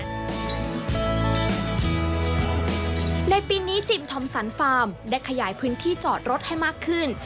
ในปีนี้จิมทอมสันฟาร์มได้ขยายพื้นที่จอดรถให้มากขึ้น